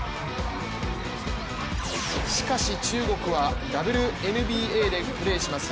しかし、中国はＷＮＢＡでプレーします